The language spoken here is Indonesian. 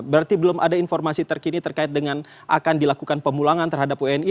berarti belum ada informasi terkini terkait dengan akan dilakukan pemulangan terhadap wni